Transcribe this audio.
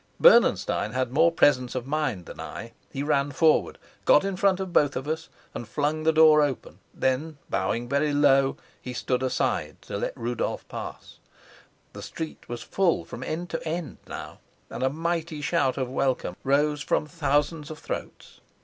Bernenstein had more presence of mind than I. He ran forward, got in front of both of us, and flung the door open. Then, bowing very low, he stood aside to let Rudolf pass. The street was full from end to end now, and a mighty shout of welcome rose from thousands of throats.